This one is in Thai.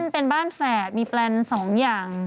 เป็นบ้านแฝดมีแปลน๒อย่าง